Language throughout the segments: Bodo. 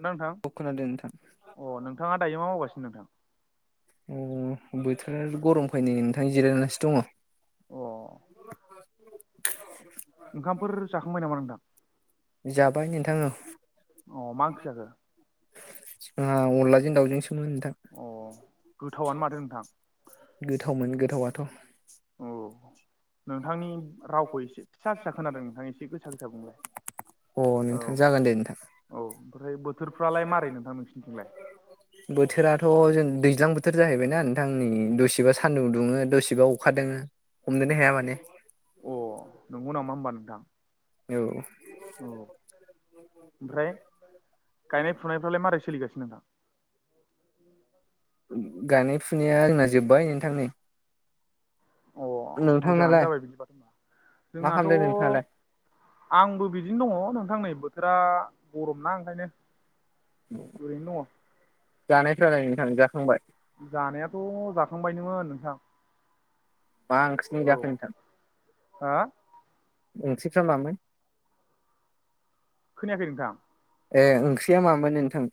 ना नोंथां? औ खोनादों नोंथां अ नोंथाङा दायो मा मावगासिनो नोंथां? अ बोथोरा गरमखाय नै नोंथां जिरायनानैसो दङ। अ ओंखामफोर जाखांबाय नामा नोंथां? जाबाय नोंथां औ अ मा ओंख्रि जाखो? जोङा अनलाजों दाावजोंसोमोन नोंथां। अ गोथावआनो माथो नोंथां गोथावमोन गोथावाथ'। औ नोंथांनि रावखौ एसे फिसा फिसा खोनादों नोंथां एसे गोसा गोसा बुंलाय। अ औ नोंथां जागोन दे नोंथां औ ओमफ्राय बोथोरफ्रालाय मारै नोंथां नोंसिनिथिंलाय? बोथोराथ' जों दैज्लां बोथोर जाहैबायना नोंथां नै दसेबा सान्दुं दुङो दसेबा अखा दोङो। हमनोनो हाया माने। अ नंगौ नामा होमबा नोंथां? औ औ ओमफ्राय गायनाय फुनायफ्रालाय मारै सोलिगासिनो नोंथां? गायनाय फुनाया आंना जोब्बाय नोंथां नै। अ मोजाङानो नोंथांनालाय जाबाय बिदिबाथ' ओमबा मा खालामदों नोंथाङालाय जोंनाथ' आंबो बिदिनो दङ नोंथां नै बोथोरा गरमना ओंखायनो ओरैनो दङ। जानायफ्रालाय नोंथां जाखांबाय? जानायाथ' जाखांबायनोमोन नोंथां। मा ओंख्रिजों औ जाखो नोंथां हा ओंख्रिफ्रा मामोन? खोनायाखै नोंथां ए ओंख्रिया मामोन नोंथां?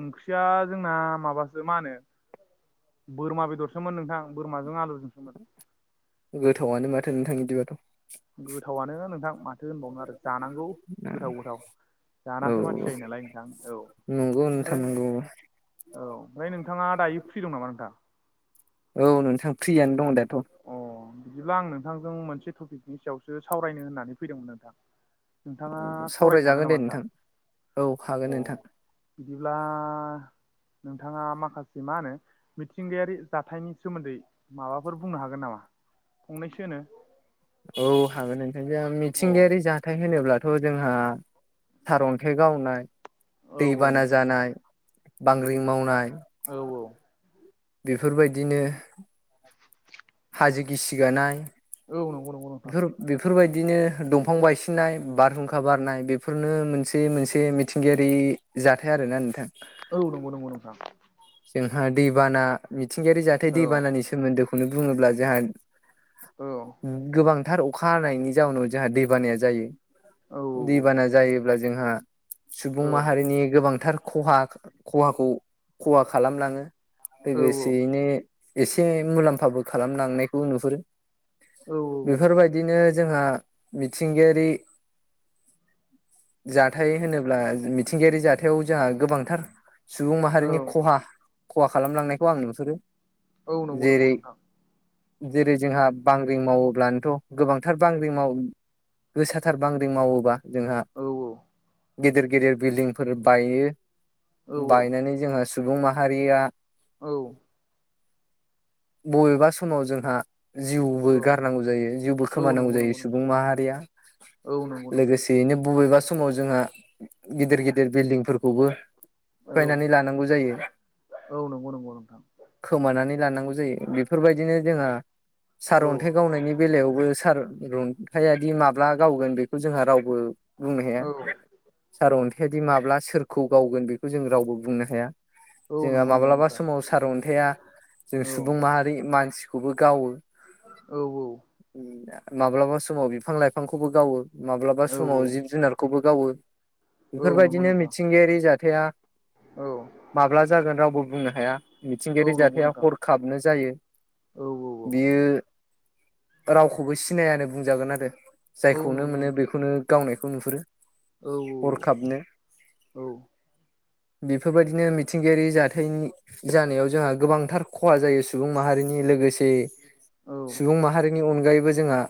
ओंख्रिया जोंना माबासो मा होनो बोरमा बेदरसोमोन नोंथां बोरमाजों आलुजोंसोमोन। गोथावआनो माथो नोंथां बिदिबाथ'। गोथावनो नोंथां माथो होनबावनो आरो जानांगौ गोथाव गोथाव जानासो मानसि औ जायो नालाय नोंथां औ नंगौ नोंथां ओमफ्राय नंगौ औ ओमफ्राय नोंथाङा दायो फ्रि दं नामा नोंथां? औ नोंथां फ्रियानो दङ दाथ'। अ बिदिब्ला आं नोंथांजों मोनसे टपिकनि सायावसो सावरायनो होननानै फैदोंमोन नोंथां। नोंथाङा सावरायनो हागोन सावरायजागोन दे नामा नोंथां औ हागोन अ नोंथां बिदिब्ला नोंथाङा माखासे मा होनो मिथिंगायारि जाथायनि सोमोन्दै माबा फोर बुंनो हागोन नामा फंनैसोनो औ हागोन नोंथां जाहा अ मिथिंगायारि औ जाथाय होनोब्ला थ जोंहा सारन्थाइ गावनाय औ दैबाना नंगौ नंगौ जानाय बांग्रि मावनाय औ-औ बेफोर बायदिनो हाजो गिसिगानाय औ नोंगौ नोंगौ नोंथां बेफोर बायदिनो दंफां बायसिननाय बारहुंखा बारनाय बेफोरनो मोनसे मोनसे मिथिंगायारि जाथाय आरोना नोंथां औ नोंगौ नोंगौ नोंथां जोंहा दैबाना मिथिंगायारि जाथाय औ दैबानानि सोमोन्दोखौनो बुङोब्ला जोंहा औ गोबांथार अखा हानायनि जाउनाव जोंहा दैबानाया जायो औ दैबाना जायो अब्ला जोंहा औ सुबुं माहारिनि गोबांथार खहा खहाखौ खहा खालामलांङो औ लोगोसेयैनो एसे मुलाम्फाबो खालामलांनायखौ नुहुरो औ बेफोरबायदि बिदिनो जोंहा मिथिंगायारि जाथाय होनो अब्ला मिथिंगायारि जाथायाव जोंहा गोबांथार सुबुं माहारिनि खहा खहा खालाम लांनायखौ आं नुहोरो औ नोंगौ नोंगौ नोंथां जेरै जोंहा बांग्रिं मावोब्लानथ गोबांथार बांग्रिं माव गोसाथार बांग्रिं मावोबा जोंहा औ औ गेदेर गेदेर बिल्डिंफोर बायो औ बायनानै जोंहा सुबुं माहारिया औ बबेबा समाव जोंहा जिउबो औ गारनांगौ जायो जिउबो औ खोमानांगौ नंगौ जायो नंगौ नोंथां सुबुं माहारिया औ नंगौ नोंथां लोगोसे बेनो बबेबा समाव जोंहा गिदिर गिदिर बिल्डिंफोरखौबो औ सिफायनानै लानांगौ जायो औ नोंगौ नोंगौ नोंथां खोमानानै लानांगौ जायो बेफोर बायदिनो जोंहा औ सारअन्थाइ गावनायनि बेलायावबो सार रन्थायादि माब्ला गावगोन बेखौ जोंहा रावबो बुंनो हाया औ सार औ अन्थाइयादि माब्ला सोरखौ गावगोन बेखौ जों रावबो बुंनो हाया औ जोंङो नंगौ नंगौ माब्लाबा नोंथां समाव सारअन्थाइया जों औ सुबुं माहारि मानसिखौबो गावो औ औ माब्लाबा समाव बिफां लाइफांखौबो गावो माब्लाबा औ औ समाव जिब जुनार खौबो गावो औ बेफोर नंगौ बायदिनो नोंथां मिथिंगायारि जाथाया औ माब्ला जागोन रावबो बुंनो हाया मिथिंगायारि नंगौ जाथाया नोंथां हरखाबनो जायो औ औ औ ओ रावखौबो सिनायानो बुंजागोन आरो औ जायखौनो नंगौ मोनो नोंथां बेखौनो गावनायखौ नुहुरो औ औ थाबनो औ बेफोर बायदिनो मिथिंगायारि जाथायनि जानायाव जोंहा गोबांथार खहा जायो सुबुं माहारिनि लोगोसे औ सुबुं माहारिनि अनगायैबो जोंहा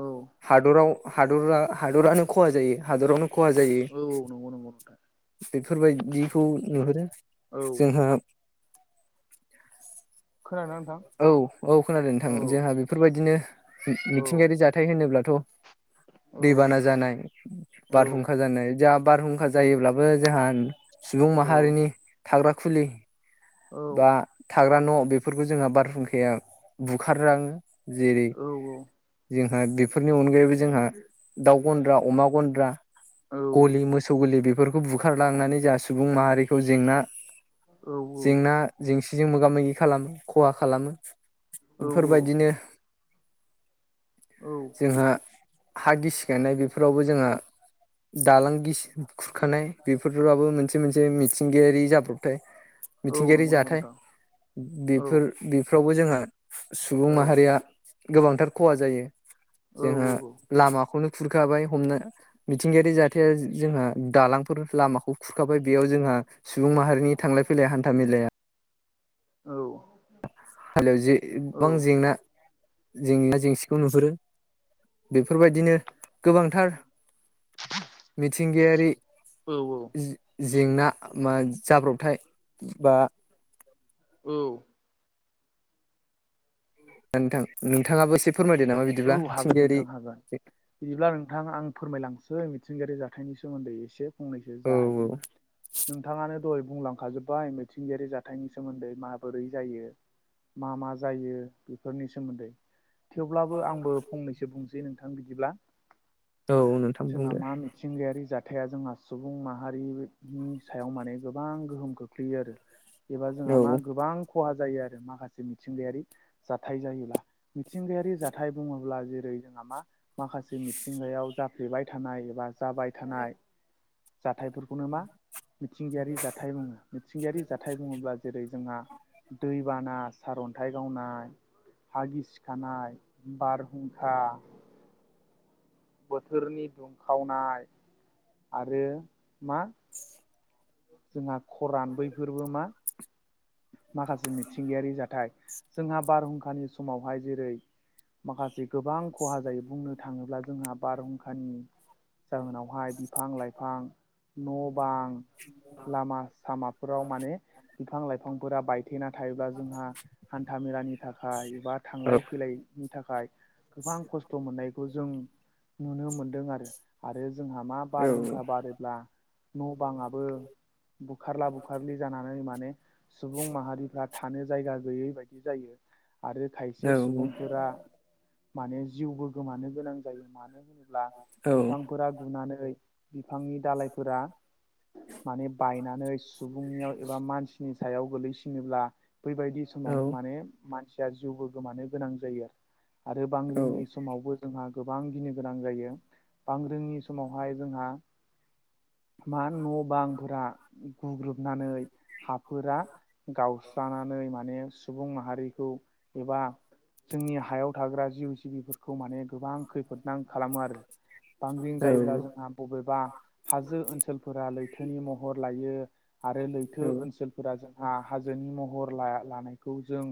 औ हादराव हादरा हादरानो खहा जायो हादरावनो खहा जायो औ नंगौ नंगौ नोंथां बेफोरबायदिखौ नुहुरो औ जोंहा खोनादोंना नोंथां औ औ खोनादों नोंथां औ जोंहा बेफोरबायदिनो औ मिथिंगायारि जाथाय होनोब्लाथ' औ दैबाना जानाय औ बारहुंखा जानाय जोंहा बारहुंखा जायोब्लाबो जोंहा सुबुं औ माहारिनि थाग्रा खुलि बा थाग्रा न' बेफोरखौ जोंहा बार बार हुंखाया बुखारलाङो जेरै जोंहा बेफोरनि अनगायैबो जोंहा दाउ गन्द्रा अमा गन्द्रा गलि मो सौ गलि बेफोरखौ बुखारलांनानै जाहहा सुबुं माहारिखौ जेंना जेंना जेंसिजों मोगा मोगि खालामो खहा खालामो बेफोरबायदिनो जोंहा हा गिसि गायनाय बेफोरावबो जोंहा दालां गिसि खुरखानाय बेफोरबाबो मोनसे मोनसे मिथिंगायारि जाब्रबथाय औ मिथिंगायारि नंगौ नंगौ जाथाय नोंथां औ बेफोर बेफ्रावबो जोंहा सुबुं औ माहारिया गोबांथार खहा जायो जोङो लामाखौनो खुरखाबाय हमनो मिथिंगायारि जाथाया जोंहा दालांफोर लामाखौ खुरखाबाय बेयाव जोंहा- सुबुं माहारिनि थांलाय फैलाय हान्था मेलाया औ औ आरो जे गोबां जेंना जेंना जेंसिखौ नुहुरो बेफोरबायदिनो गोबांथार मिथिंगायारि जे जेंना मा जाब्रबथाय बा औ नोंथां नोंथाङाबो एसे फोरमायदो नामा बिदि औ हागोन नोंथां हागोन। बिदिब्ला नोंथां आं फोरमायलांसै मिथिंगायारि जाथायनि सोमोन्दै एसे फंनैसो औ जाहायो नोंथाङानो दहाय बुंलांखाजोब्बाय मिथिंगायारि जाथायनि सोमोन्दै माबोरै जायो। मा मा जायो बेफोरनि सोमोन्दै थेवब्ला आंबो फंनैसो बुंनोसै नोंथां बिदिब्ला औ नोंथां जोंहा बुंदो मा थिंगायारि जाथाया जोंहा सुबुं माहारिनि सायाव माने गोबां गोहोम खोख्लैयो आरो। एबा जोंहा औ मा गोबां खहा जायो आरो माखासे मिथिंगायारि जाथाय जायोब्ला मिथिंगायारि थाय बुङोब्ला जेरै जोंहा मा माखासे मिथिंगायाव जाफ्लेबाय थानाय एबा जाबाय थानाय। जाथायफोरखौनो मा मिथिंगायारि जाथाय बुङो मिथिंगायारि जाथाय बुङोब्ला जेरै जोंहा दैबाना सारन्थाइ गावनाय हा गिसिखानाय बारहुंखा बोथोरनि दुंखावनाय आरो मा जोंहा खरान बैफोरबो मा माखासे मिथिंगायारि जाथाय जोंहा बारहुंखानि समावहाय जेरै माखासे गोबां खहा जायो बुंनो थाङोब्ला जोंहा बारहुंखानि जाहोनावहाय बिफां लाइफां न' बां लामा सामाफोराव माने बिफां लाइफांफोरा बाय थेना थायोब्ला जोंहा हान्था मेलानि थाखाय एबा औ थांलाय फैलायनि थाखाय गोबां खस्थ' मोननायखौ जों नुनो मोनदों आरो आरो जोंहा मा औ बारहुंखा बारोब्ला न' बाङाबो बुखारला बुखारलि जानानै माने सुबुं माहारिफ्रा थानो जायगा गैयै बायदि जायो। आरो औ खायसे सुबुंफोरा माने जिउबो गोमानो गोनां जायो मानो होनोब्ला ब्ला औ बिफांफोरा गुनानै बिफांनि दालायफोरा माने बायनानै सुबुंनियाव एबा मानसिनि सायाव गोलैसिनोब्ला बैबायदि औ समावनो माने मानसिया जिउबो गोमानो गोनां जायो आरो आरो बांग्रिनि समावबो जोंहा गोबां गिनो गोनां जायो बांग्रिंनि समावहाय जोंहा मा न' बांफोरा गुग्रुबनानै फोर गावस्रानानै माने सुबुं माहारिखौ एबा जोंनि हायाव थाग्रा जिउ जिबिफोरखौ माने गोबां खैफोदनां खालामो आरो। बांग्रिं औ जायोब्ला जोंहा बबेबा हाजो ओनसोलफोरा लैथोनि महर लायो आरो औ लैथो ओनसोल फ्रा जोंहा हाजोनि महर लानाय खौ जों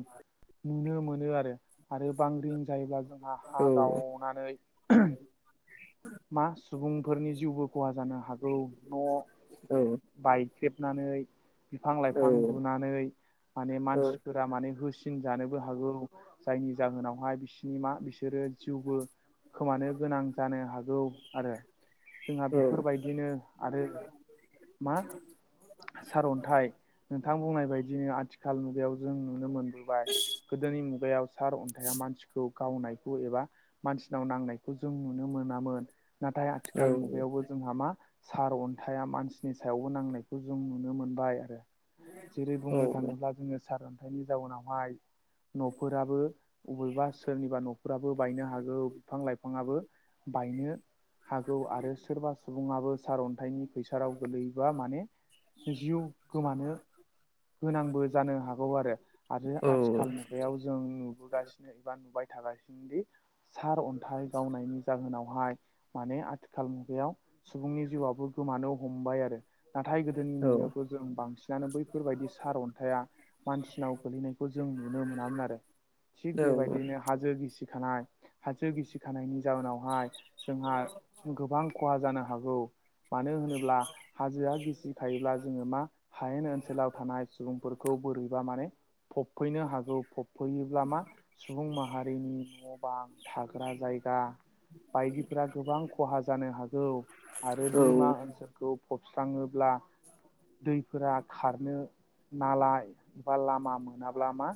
नुनो मोनो आरो आरो बांग्रिं जायोब्ला जोंहा हा गाव नानै मा सुबुंफोरनि जिउबो खहा जानो हागौ न' बायख्रेबनानै बिफां लाइफां गुनानै माने मानसि फोरा माने होसिन जानोबो हागौ जायनि जाहोनावहाय बिसोरनि मा बिसोरो जिउबो खोमानो गोनां जानो हागौ आरो जोंहा बेफोरबाय बिदिनो आरो मा सारअन्थाइ नोंथां बुंनाय बायदिनो आथिखाल मुगायाव जों नुनो मोनो बाय गोदोनि मुगायाव सार अन्थाइया मानसिखौ गावनायखौ एबा मानसिनाव नांनायखौ जों नुनो मोनामोन नाथाय आथिखाल मुगायावबो जोंहा मा सारअन्थाया मानसिनि सायावबो नांनायखौ जों नुनो मोनबाय आरो। जेरै बुंनो थाङोब्ला जोङो सारअन्थाइनि जाउनावहाय न'फोराबो बबेबा सोरनिबा न'फोराबो बायनो हागौ बिफां लाइफाङाबो बायनो हागौ आरो सोरबा सुबुङाबो सारअन्थाइनि खैसाराव गोगलैयोबा माने जिउ गोमानो होनांबो जानो हागौ आरो आरो आथिखाल मुगायाव जों नुबोगासिनो एबा नुबाय थागासिनोदि सारअन्थाइ गावनायनि जाहोनावहाय माने आथिखाल मुगायाव सुबुंनि जिउआबो गोमानो हमबाय आरो। नाथाय गोदोनि मुगायावथ' जों बांसिनानो बै दि सारअन्थाइआ मानसिनाव गोग्लैनायखौ जों नुनो मोनामोन आरो। थिक बेबायदिनो हाजो गिसिखानाय हाजो गिसिखानायनि जाउनावहाय जोंहा गोबां खहा जानो हागौ। मानो होनोब्ला हाजोआ गिसिखायोब्ला जोङो मा हायेन ओन सोलाव थानाय सुबुंफोरखौ बोरैबा माने फबफैनो हागौ फबफैयोब्ला मा सुबुं माहारिनि न' बां थाग्रा जायगा बायदिफोरा गोबां खहा जानो हागौ। आरो दैमा ओनसोल खौ फबस्राङोब्ला दैफोरा खारनो नालाय बा लामा मोनाब्ला मा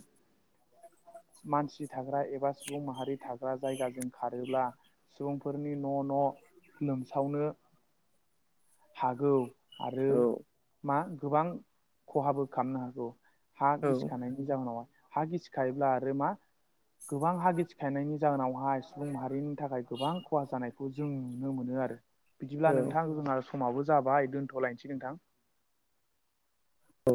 मानसि थाग्रा एबा सुबुं माहारि थाग्रा जायगाजों खारोब्ला सुबुंफोरनि न' न' लोमसावनो हागौ आरो मा गोबां खहाबो खालामनो हागौ। हा औ औ गिसिखानायनि जाहोनावह हा गिसिखायोब्ला आरो मा गोबां हा गिथिखायनायनि जाहोनावहाय सुबुं माहारिनि थाखाय गोबां खहा जानायखौ जों नुनो मोनो आरो। बिदिब्ला औ नोंथां जोंहा समाबो जाबाय दोन्थ'लायनोसै नोंथां। औ